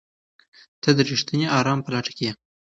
ته د رښتیني ارام په لټه کې یې؟